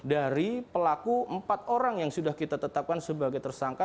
dari pelaku empat orang yang sudah kita tetapkan sebagai tersangka